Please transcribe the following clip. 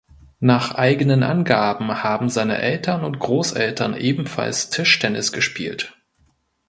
Nach eigenen Angaben haben seine Eltern und Großeltern ebenfalls Tischtennis gespielt.